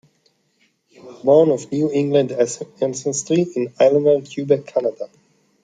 He was born of New England ancestry in Aylmer, Quebec, Canada.